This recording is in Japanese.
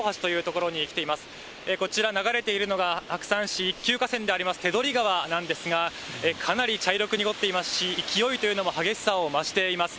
こちら、流れているのが、白山市一級河川であります、手取川なんですが、かなり茶色く濁っていますし、勢いというのも激しさを増しています。